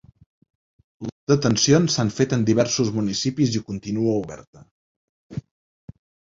Les detencions s’han fet en diversos municipis i continua oberta.